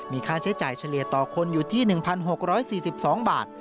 มีค่าใช้จ่ายเฉลี่ยต่อคนอยู่ที่๑๖๔๒บาท